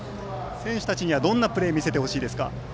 選手たちにはどんなプレーを見せてほしいですか。